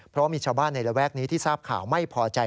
เพราะมีชาวบ้านในระแวกนี้ที่ทราบข่าวไม่พอใจ